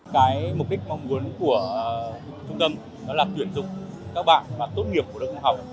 cái mục đích mong muốn của trung tâm đó là tuyển dụng các bạn mà tốt nghiệp của đông học